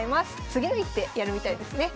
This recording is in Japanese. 「次の一手」やるみたいですね。